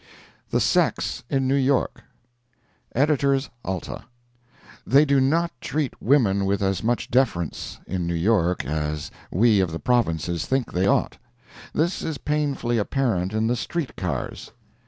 THE SEX IN NEW YORK EDITORS ALTA: They do not treat women with as much deference in New York as we of the provinces think they ought. This is painfully apparent in the street cars.